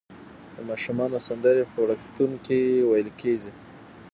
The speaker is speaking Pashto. د ماشومانو سندرې په وړکتون کې ویل کیږي.